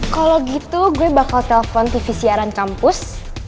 kalau gitu gue bakal telpon tv siaran kampus